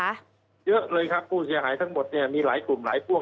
เยอะเลยครับผู้เสียหายทั้งหมดเนี่ยมีหลายกลุ่มหลายพวก